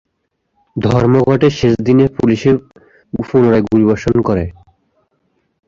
ধর্মঘটের শেষ দিনে পুলিশ পুনরায় গুলিবর্ষণ করে।